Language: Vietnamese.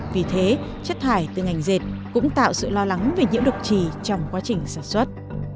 vì thế chất thải từ ngành dệt cũng tạo sự lo lắng về nhiễm độc trì trong quá trình sản xuất